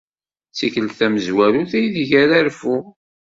D tikkelt tamezwarut aydeg ara rfuɣ.